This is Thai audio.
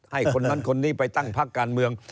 ให้คนนั้นคนนี้ไปตั้งพักการเมือง